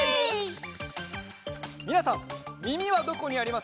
みなさんみみはどこにありますか？